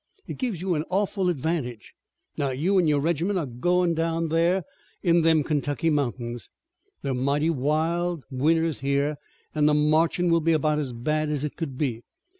It gives you an awful advantage. Now you an' your regiment are goin' down thar in them Kentucky mountains. They're mighty wild, winter's here an' the marchin' will be about as bad as it could be.